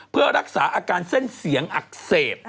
เพื่อรักษาอาการเส้นเสียงอักเสบ